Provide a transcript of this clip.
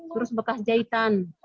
terus bekas jahitan